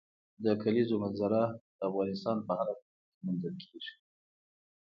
د کلیزو منظره د افغانستان په هره برخه کې موندل کېږي.